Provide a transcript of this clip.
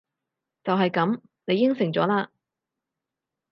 就係噉！你應承咗喇！